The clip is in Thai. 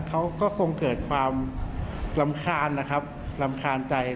เขาก็คงเกิดความรำคาญนะครับรำคาญใจ